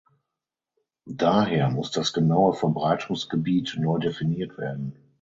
Daher muss das genaue Verbreitungsgebiet neu definiert werden.